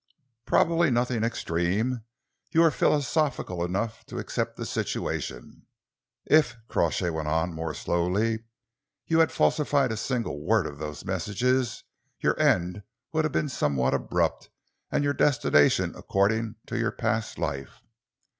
"Probably nothing extreme. You were philosophical enough to accept the situation. If," Crawshay went on more slowly, "you had falsified a single word of those messages, your end would have been somewhat abrupt and your destination according to your past life.